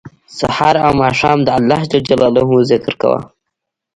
سهار او ماښام د الله ج ذکر کوه